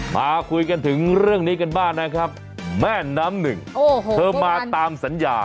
มาคุยกันถึงเรื่องนี้กันบ้างนะครับแม่น้ำหนึ่งโอ้โหเธอมาตามสัญญา